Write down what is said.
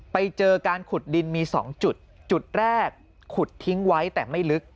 ไปเจอการขุดดินมี๒จุดจุดแรกขุดทิ้งไว้แต่ไม่ลึก